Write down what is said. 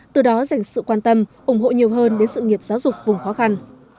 từ đó dành sự quan tâm ủng hộ nhiều hơn đến sự nghiệp giáo dục vùng khó khăn